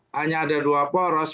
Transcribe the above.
hanya ada dua poros